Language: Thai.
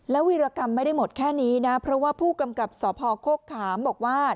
วีรกรรมไม่ได้หมดแค่นี้นะเพราะว่าผู้กำกับสพโคกขามบอกว่า